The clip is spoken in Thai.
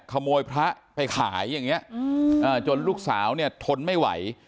ขโมยพระไปขายอย่างนี้จนลูกสาวเนี่ยทนไม่ไหว